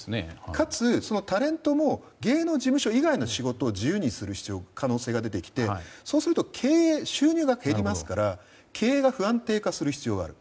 かつ、タレントも芸能事務所以外の仕事を自由にする可能性が出てきてそうすると収入が減りますから経営が不安定化する必要がある。